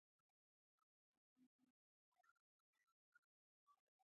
د محبوب مشتاق دوی ځای ته مو ځان ورساوه.